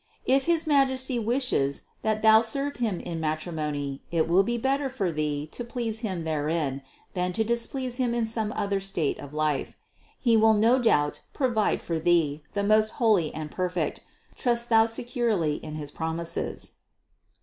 If his Majesty wishes that Thou serve Him in matrimony, it will be better for Thee to please Him therein, than to displease Him in some other state of life. He will no doubt provide for Thee the most holy and perfect ; trust Thou securely in his promises."